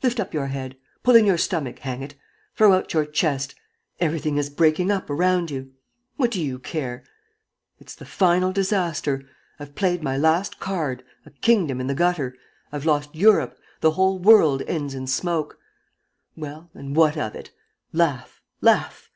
Lift up your head! Pull in your stomach, hang it! Throw out your chest! ... Everything is breaking up around you. What do you care? ... It's the final disaster, I've played my last card, a kingdom in the gutter, I've lost Europe, the whole world ends in smoke. ... Well ... and what of it? Laugh, laugh!